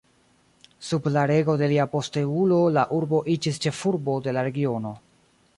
Sub la rego de lia posteulo la urbo iĝis ĉefurbo de la regiono.